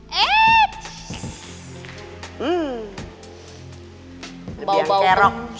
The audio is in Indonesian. lebih yang kerok